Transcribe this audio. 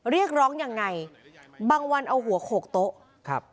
เรียกร้องยังไงบางวันเอาหัวโขกโต๊ะครับ